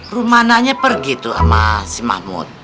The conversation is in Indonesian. rumana nya pergi tuh sama si mahmud